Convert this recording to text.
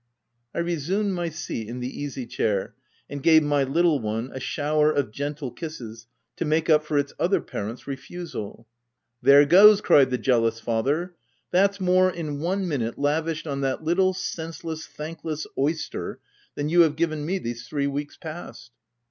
I resumed my seat in the easy chair, and gave my little one a shower of gentle kisses to make up for its other parent's refusal. "There goes!'' cried the jealous father. " That's more, in one minute, lavished on that little senseless, thankless, oyster, than you have given me these three weeks past."